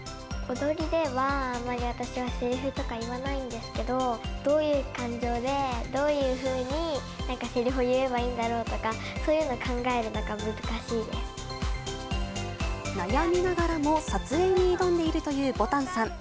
踊りでは、あまり私はセリフとか言わないんですけど、どういう感情で、どういうふうになんかセリフを言えばいいんだろうとか、そういう悩みながらも撮影に挑んでいるというぼたんさん。